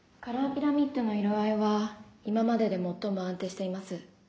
カラーピラミッドの色合いは今までで最も安定しています。